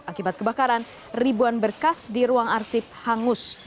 akibat kebakaran ribuan berkas di ruang arsip hangus